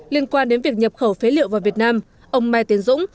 liên quan đến việc nhập khẩu phế liệu vào việt nam ông mai tiến dũng